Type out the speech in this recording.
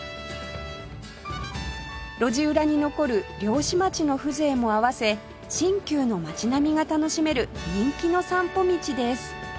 路地裏に残る漁師町の風情も合わせ新旧の街並みが楽しめる人気の散歩道です